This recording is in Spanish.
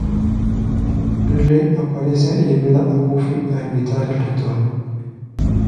Riley aparece y ayuda a Buffy a evitar el ritual.